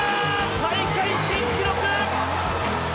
大会新記録！